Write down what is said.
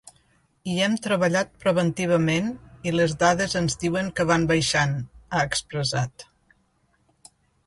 Hi hem treballat preventivament i les dades ens diuen que van baixant, ha expressat.